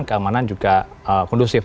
keamanan juga kondusif